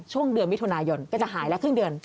ช่วงเดือนมิถุนายนก็จะหายแล้วครึ่งเดือน